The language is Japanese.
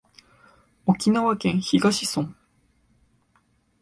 沖縄県東村